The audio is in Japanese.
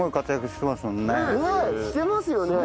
してますよね。